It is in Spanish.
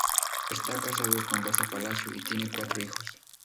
Está casado con Rosa Palacio, y tiene cuatro hijos.